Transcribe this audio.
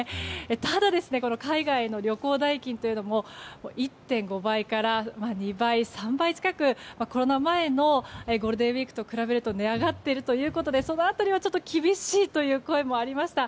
ただ、この海外の旅行代金というのも１．５倍から、２倍３倍近くコロナ前のゴールデンウィークと比べると値上がっているということでその辺りはちょっと厳しいという声もありました。